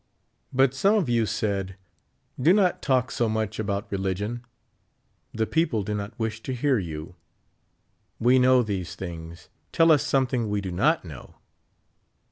'' But some of you said : "Do not talk so much about religion ; the people do not wish to hear you. We know these things ; tell us something we do not know."